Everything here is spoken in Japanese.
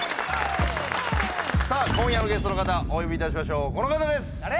さあ今夜のゲストの方お呼びいたしましょうこの方です！